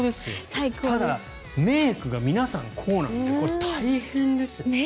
ただ、メイクが皆さん、こうなので大変ですよね。